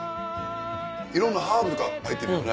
いろんなハーブが入ってるよね。